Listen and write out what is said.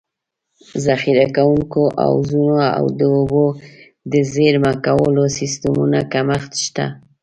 ذخیره کوونکو حوضونو او د اوبو د زېرمه کولو سیستمونو کمښت شته.